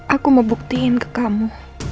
aku mau buktiin ke kamu